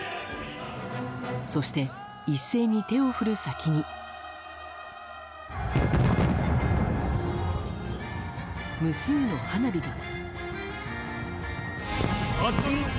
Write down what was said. そして、一斉に手を振る先に無数の花火が。